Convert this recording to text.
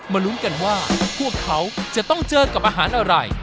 ลุ้นกันว่าพวกเขาจะต้องเจอกับอาหารอะไร